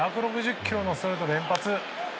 １６０キロのストレートを連発。